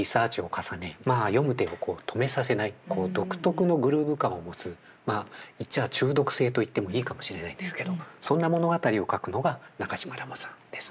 まあ読む手を止めさせない独特のグルーブ感を持つまあ言っちゃあ中毒性と言ってもいいかもしれないんですけどそんな物語を書くのが中島らもさんですね。